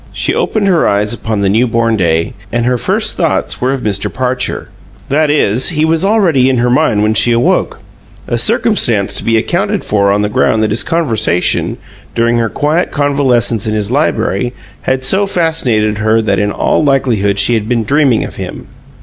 She opened her eyes upon the new born day, and her first thoughts were of Mr. Parcher. That is, he was already in her mind when she awoke, a circumstance to be accounted for on the ground that his conversation, during her quiet convalescence in his library, had so fascinated her that in all likelihood she had been dreaming of him.